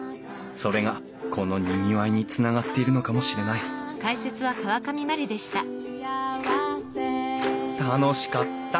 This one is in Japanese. それがこのにぎわいにつながっているのかもしれない楽しかった！